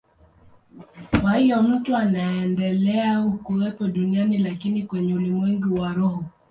Kwa hiyo mtu anaendelea kuwepo duniani, lakini kwenye ulimwengu wa roho.